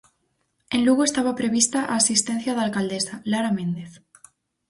En Lugo estaba prevista a asistencia da alcaldesa, Lara Méndez.